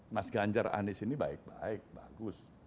mas ganjar anies ini baik baik bagus